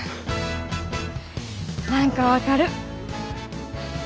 何か分かる。